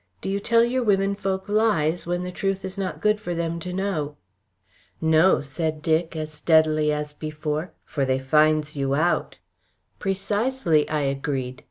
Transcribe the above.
Do you tell your womenfolk lies, when the truth is not good for them to know?" "No," said Dick, as steadily as before, "for they finds you out." "Precisely," I agreed.